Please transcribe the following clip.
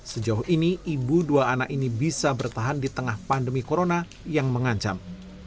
sejauh ini ibu dua anak ini bisa bertahan di tengah pandemi corona yang mengancam